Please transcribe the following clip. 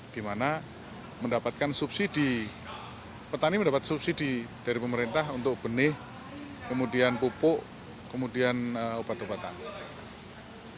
di mana mendapatkan subsidi petani mendapat subsidi dari pemerintah untuk benih kemudian pupuk kemudian obat obatan